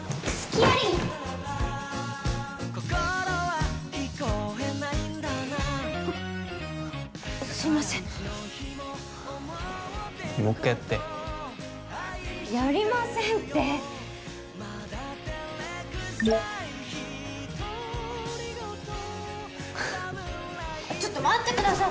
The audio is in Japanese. あっすいませんもう一回やってやりませんってふふっちょっと待ってください